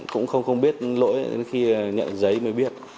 cũng không biết lỗi đến khi nhận giấy mới biết